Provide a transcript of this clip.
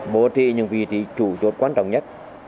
bố trì những vị trí chủ chốt quan trọng nhất